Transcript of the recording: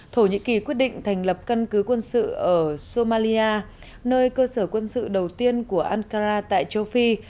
thổ nhĩ kỳ quyết định thành lập căn cứ quân sự ở somalia nơi cơ sở quân sự đầu tiên của ankara tại châu phi